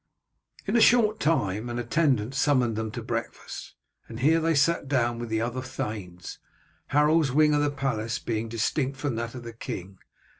In a short time an attendant summoned them to breakfast, and here they sat down with the other thanes, Harold's wing of the palace being distinct from that of the king.